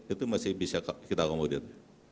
itu masih bisa kita komodir